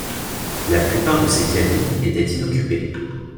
La plupart de ces cabines étaient inoccupées.